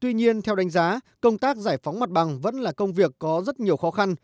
tuy nhiên theo đánh giá công tác giải phóng mặt bằng vẫn là công việc có rất nhiều khó khăn